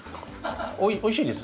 おいしいです。